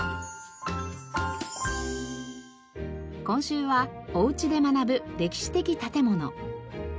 今週はおうちで学ぶ歴史的建物。